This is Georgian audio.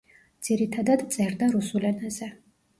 ძირითადად წერდა რუსულ ენაზე.